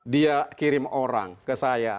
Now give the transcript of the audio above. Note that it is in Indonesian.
dia kirim orang ke saya